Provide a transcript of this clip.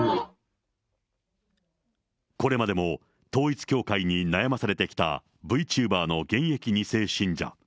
これまでも統一教会に悩まされてきたＶチューバーの現役２世信者。